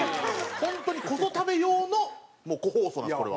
ホントにこそ食べ用の個包装なんですこれは。